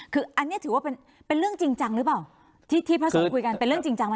คืออันนี้ถือว่าเป็นเรื่องจริงจังหรือเปล่าที่พระสงฆ์คุยกันเป็นเรื่องจริงจังไหม